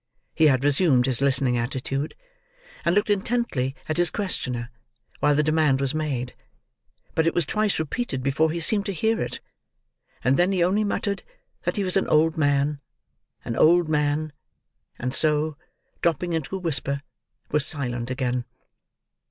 He had resumed his listening attitude, and looked intently at his questioner while the demand was made; but it was twice repeated before he seemed to hear it, and then he only muttered that he was an old man—an old man—and so, dropping into a whisper, was silent again.